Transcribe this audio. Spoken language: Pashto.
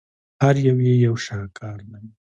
هر یو یې یو شاهکار دی.